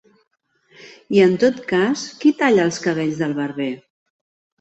I en tot cas, ¿qui talla els cabells del barber?